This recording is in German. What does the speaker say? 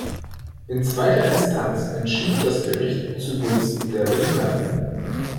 In zweiter Instanz entschied das Gericht zugunsten der Behinderten.